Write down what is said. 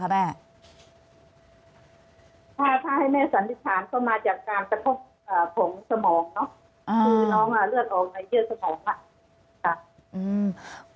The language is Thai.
อันดับที่สุดท้าย